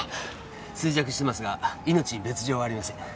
衰弱していますが命に別条はありません。